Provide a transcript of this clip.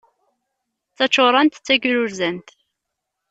D taččurant d tagrurzant.